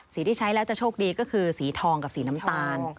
ที่ใช้แล้วจะโชคดีก็คือสีทองกับสีน้ำตาล